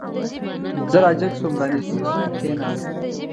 زه را جګ شوم، را نږدې شو، کېناست.